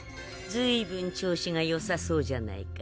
ずいぶん調子がよさそうじゃないか。